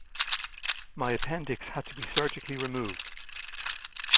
My appendix had to be surgically removed.